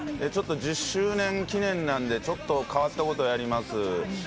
「１０周年記念なんでちょっと変わったことやります」